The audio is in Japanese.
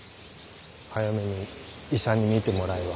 早めに医者に診てもらえば？